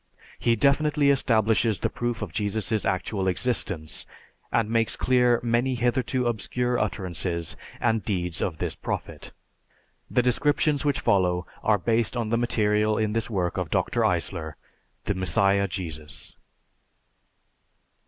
He definitely establishes the proof of Jesus' actual existence, and makes clear many hitherto obscure utterances and deeds of this Prophet. The descriptions which follow are based on the material in this work of Dr. Eisler, "The Messiah Jesus."